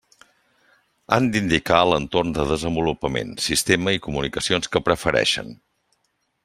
Han d'indicar l'entorn de desenvolupament, sistema i comunicacions que preferixen.